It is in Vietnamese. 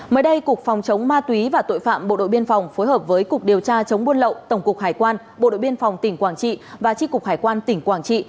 mới đây cục phòng chống ma túy và tội phạm bộ đội biên phòng phối hợp với cục điều tra chống buôn lậu tổng cục hải quan bộ đội biên phòng tỉnh quảng trị và tri cục hải quan tỉnh quảng trị